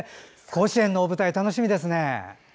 甲子園の舞台楽しみですね。